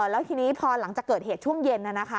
แล้วทีนี้พอหลังจากเกิดเหตุช่วงเย็น